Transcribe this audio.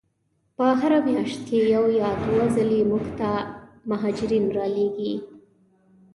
په هره میاشت کې یو یا دوه ځلې موږ ته مهاجرین را لیږي.